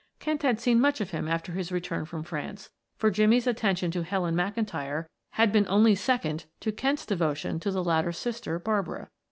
Kent had seen much of him after his return from France, for Jimmie's attention to Helen McIntyre had been only second to Kent's devotion to the latter's sister, Barbara.